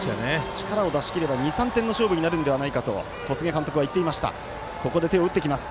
力を出しきれば２３点の勝負になるのではないかとここで手を打ってきます。